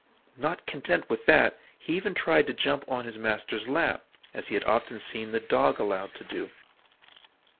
Not content with that, he even tried to jump on his master's lap, as he had so often seen the dog allowed to do.